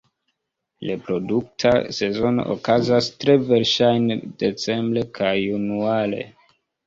Reprodukta sezono okazas tre verŝajne decembre kaj januare.